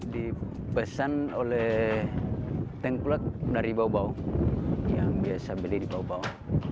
dipesan oleh tengkulak dari bau bau yang biasa beli di bau bau